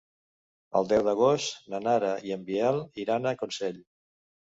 El deu d'agost na Nara i en Biel iran a Consell.